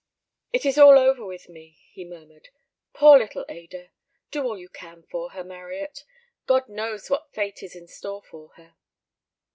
"It is all over with me," he murmured. "Poor little Ada. Do all you can for her, Marryat. God knows what fate is in store for her."